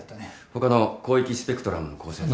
他の広域スペクトラムの抗生剤。